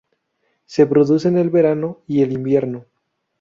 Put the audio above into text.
Se producen en el verano y el invierno.